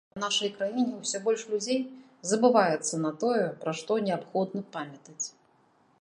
А ў нашай краіне ўсё больш людзей забываецца на тое, пра што неабходна памятаць!